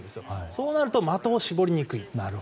そうなると、的を絞りにくい。